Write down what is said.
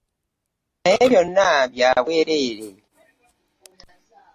Naye byonna bya bwereere.